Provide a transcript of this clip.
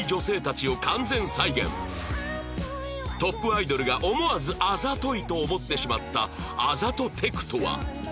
トップアイドルが思わずあざといと思ってしまったあざとテクとは？